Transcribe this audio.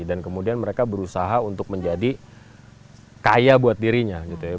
dan kemudian mereka berusaha untuk menjadi kaya buat dirinya gitu ya